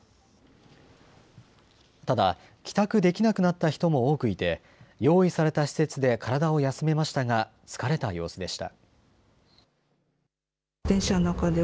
ただ帰宅できなくなった人も多くいて、用意された施設で体を休めましたが疲れた様子でした。